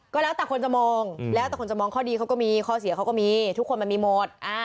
ก็แล้วแต่คนจะมองแล้วแต่คนจะมองข้อดีเขาก็มีข้อเสียเขาก็มีทุกคนมันมีหมด